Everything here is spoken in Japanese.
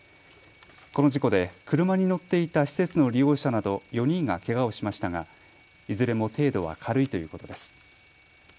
この事故で車に乗っていた施設の利用者など４人がけがをしましたがいずれも程度は軽いということです。